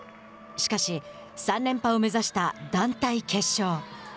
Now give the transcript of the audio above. しかし、３連覇を目指した団体決勝。